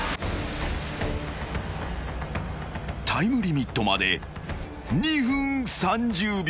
［タイムリミットまで２分３０秒］